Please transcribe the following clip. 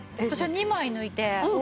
私は２枚抜いて。